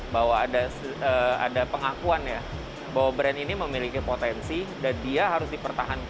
bahwa ada pengakuan ya bahwa brand ini memiliki potensi dan dia harus dipertahankan